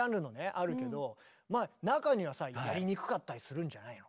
あるけど中にはさやりにくかったりするんじゃないの？